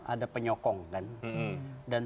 ada penyokong kan dan